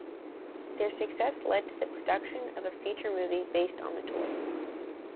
Their success led to the production of a feature movie based on the toy.